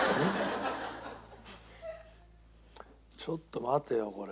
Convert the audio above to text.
ちょっと待てよこれ。